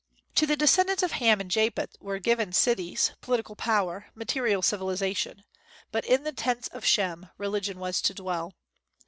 To the descendants of Ham and Japhet were given cities, political power, material civilization; but in the tents of Shem religion was to dwell.